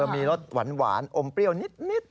มีรสหวานอมเปรี้ยวนิด